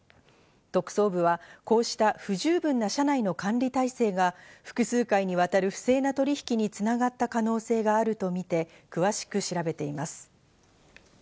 特捜部はこうした不十分な社内の管理体制が複数回にわたる不正な取引に繋がった可能性があるとみて詳しく調べています。